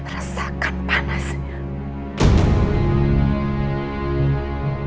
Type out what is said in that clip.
rasakan panas sekarang